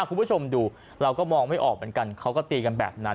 คุณผู้ชมดูเราก็มองไม่ออกเหมือนกันเขาก็ตีกันแบบนั้น